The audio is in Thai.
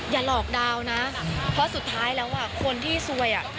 อย่าหลอกดาวน์นะเพราะสุดท้ายแล้วคนที่ซวยอ่ะ